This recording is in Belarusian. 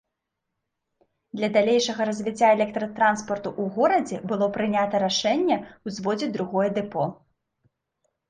Для далейшага развіцця электратранспарту ў горадзе было прынята рашэнне ўзводзіць другое дэпо.